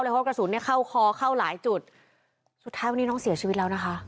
เพราะกระสุนเนี่ยเข้าคอเข้าหลายจุดสุดท้ายวันนี้น้องเสียชีวิตแล้วนะคะ